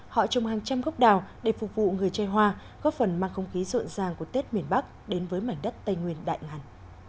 họ trồng hàng trăm gốc đào để phục vụ người chơi hoa góp phần mang không khí rộn ràng của tết miền bắc đến với mảnh đất tây nguyên đại ngàn